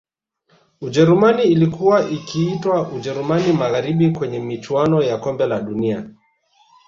Ujerumani ilkuwa ikiitwa Ujerumani Magharibi kwenye michuano ya kombe la dunia